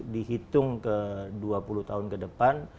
dihitung ke dua puluh tahun kedepan